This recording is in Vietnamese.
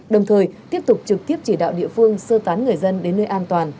đồng thời tiếp tục trực tiếp chỉ đạo địa phương sơ tán người dân đến nơi an toàn